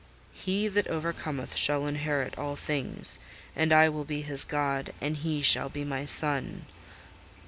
"He that overcometh shall inherit all things; and I will be his God, and he shall be my son.